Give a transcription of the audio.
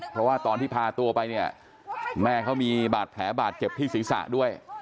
เพราะว่าตอนที่พาตัวไปเนี่ยแม่เขามีบาดแผลบาดเจ็บที่ศีรษะด้วย